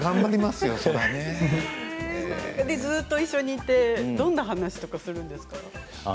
ずっと一緒にいてどんな話をするんですか？